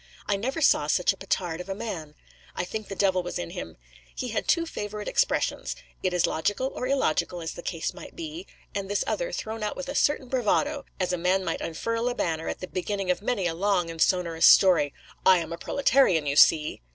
I never saw such a petard of a man; I think the devil was in him. He had two favourite expressions: 'it is logical,' or illogical, as the case might be: and this other, thrown out with a certain bravado, as a man might unfurl a banner, at the beginning of many a long and sonorous story: 'I am a proletarian, you see.